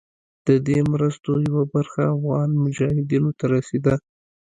د دې مرستو یوه برخه افغان مجاهدینو ته رسېده.